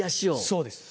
そうです。